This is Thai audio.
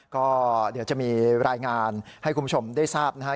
ก็เดี๋ยวจะมีรายงานให้คุณผู้ชมได้ทราบนะครับ